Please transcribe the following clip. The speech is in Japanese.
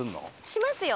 しますよ。